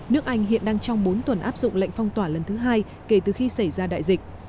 nước anh hiện đang trong bốn tuần áp dụng lệnh phong tỏa lần thứ hai kể từ khi xảy ra đại dịch